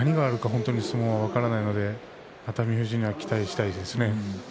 本当に相撲は分からないので熱海富士には期待したいですね。